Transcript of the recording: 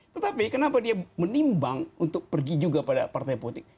tetapi kenapa dia menimbang untuk pergi juga pada partai politik